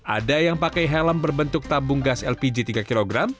ada yang pakai helm berbentuk tabung gas lpg tiga kg